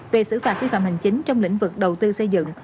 về xử phạt vi phạm hành chính trong lĩnh vực đầu tư xây dựng